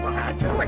kurang ajar wek